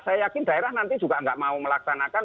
saya yakin daerah nanti juga nggak mau melaksanakan